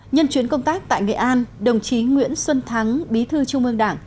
nhân chuyến công tác tại nghệ an đồng chí nguyễn xuân thắng bí thư trung ương đảng